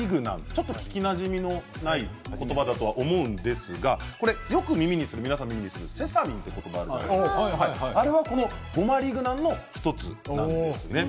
ちょっと聞きなじみのない言葉だと思うんですがよく皆さん耳にする、セサミンという言葉あるじゃないですか、あれはゴマリグナンの１つなんですね。